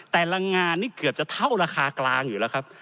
แต่ละงานนี่เกือบจะเท่าราคากลางอยู่แล้วครับ